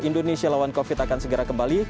indonesia lawan covid akan segera kembali